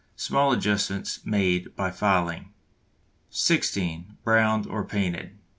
Small adjustments made by filing. (16) Browned or painted.